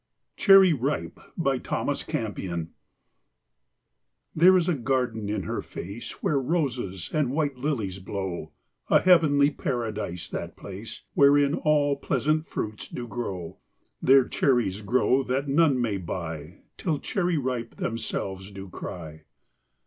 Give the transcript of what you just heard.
Thomas Campion. CHERRY RIPE. There is a garden in her face Where roses and white lilies blow; A heavenly paradise that place, Wherein all pleasant fruits do grow; There cherries grow that none may buy, Till Cherry Ripe themselves do cry.